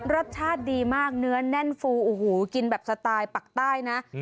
รสชาติดีมากเนื้อแน่นฟูโอ้โหกินแบบสไตล์ปักใต้นะ